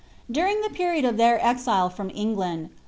During ihe period of their exile from England.